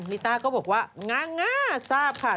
ลิต้าก็บอกว่าง่าง่าทราบค่ะ